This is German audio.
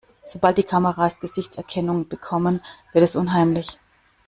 Sobald die Kameras Gesichtserkennung bekommen, wird es unheimlich.